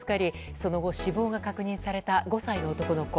その後、死亡が確認された５歳の男の子。